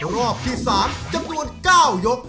รอบที่๓จำนวน๙ยก